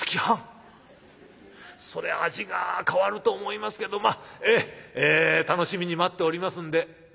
そりゃ味が変わると思いますけどまあええ楽しみに待っておりますんで」。